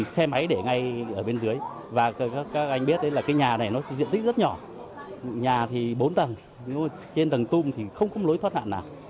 xe máy để ngay ở bên dưới và các anh biết là cái nhà này nó diện tích rất nhỏ nhà thì bốn tầng trên tầng tung thì không có lối thoát hạn nào